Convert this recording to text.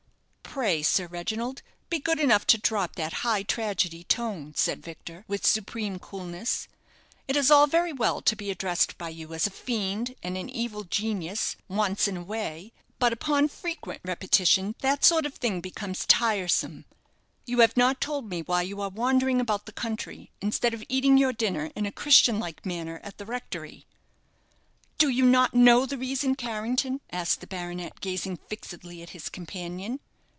"Pray, Sir Reginald, be good enough to drop that high tragedy tone," said Victor, with supreme coolness. "It is all very well to be addressed by you as a fiend and an evil genius once in a way; but upon frequent repetition, that sort of thing becomes tiresome. You have not told me why you are wandering about the country instead of eating your dinner in a Christian like manner at the rectory?" "Do you not know the reason, Carrington?" asked the baronet, gazing fixedly at his companion.